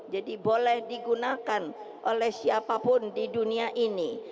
jadi boleh digunakan oleh siapapun di dunia ini